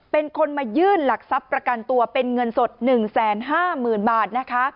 เป็นคนมายื่นหลักทรัพย์ประกันตัวเป็นเงินสด๑๕๐๐๐บาทนะคะ